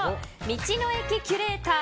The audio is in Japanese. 道の駅キュレーター